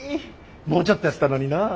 もうちょっとやったのになあ。